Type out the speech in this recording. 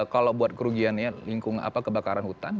kalau buat kerugiannya lingkungan kebakaran hutan